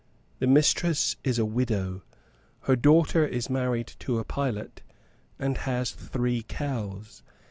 The mistress is a widow, her daughter is married to a pilot, and has three cows.